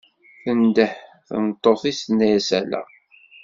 tendeh tmeṭṭut-is tenna-as ala.